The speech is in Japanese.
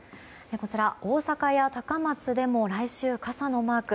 こちら、大阪や高松でも来週、傘のマーク。